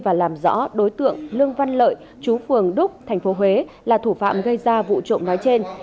và làm rõ đối tượng lương văn lợi chú phường đúc tp huế là thủ phạm gây ra vụ trộm nói trên